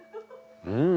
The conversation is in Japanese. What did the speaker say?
うん！